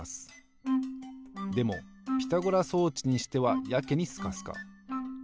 でもピタゴラ装置にしてはやけにスカスカ。